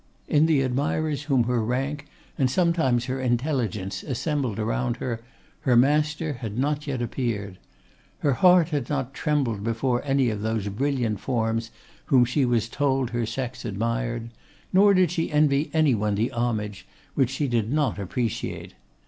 In the admirers whom her rank, and sometimes her intelligence, assembled around her, her master had not yet appeared. Her heart had not trembled before any of those brilliant forms whom she was told her sex admired; nor did she envy any one the homage which she did not appreciate.